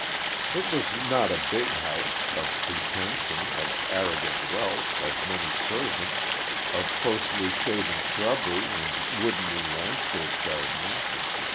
It was not a big house, of pretension, of arrogant wealth, of many servants of closely shaven shrubbery and woodeny landscape gardening.